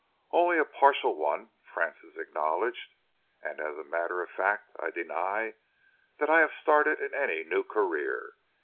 "Only a partial one," Francis acknowledged, "and as a matter of fact I deny that I have started in any new career.